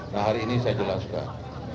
nah hari ini saya jelaskan